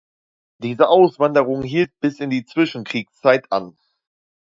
Diese Auswanderung hielt bis in die Zwischenkriegszeit an.